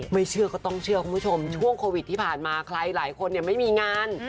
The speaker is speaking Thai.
เชื่อก็ต้องเชื่อคุณผู้ชมช่วงโควิดที่ผ่านมาใครหลายคนไม่มีงาน